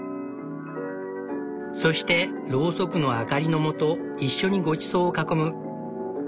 そしてロウソクの明かりのもと一緒にごちそうを囲む。